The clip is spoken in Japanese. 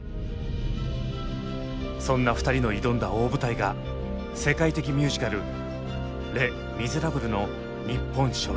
そんな２人の挑んだ大舞台が世界的ミュージカル「レ・ミゼラブル」の日本初演。